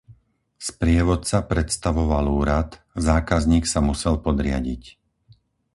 Sprievodca predstavoval úrad, zákazník sa musel podriadiť.